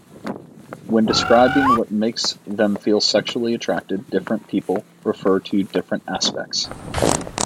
When describing what makes them feel sexually attracted, different people refer to different aspects.